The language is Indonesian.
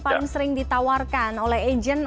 paling sering ditawarkan oleh agent